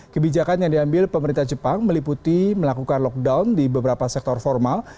kebijakan yang diambil pemerintah jepang meliputi melakukan lockdown di beberapa sektor formal